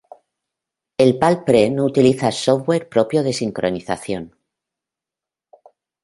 El Palm Pre no utiliza software propio de sincronización.